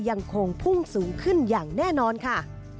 ยังคงพุ่งสูงขึ้นอย่างแน่นอนค่ะ